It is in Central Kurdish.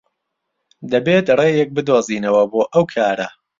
دەبێت ڕێیەک بدۆزینەوە بۆ ئەو کارە.